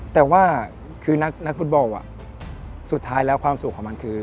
แต่ว่าคือนักฟุตบอลสุดท้ายแล้วความสุขของมันคือ